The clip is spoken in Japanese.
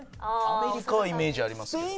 アメリカはイメージありますけど。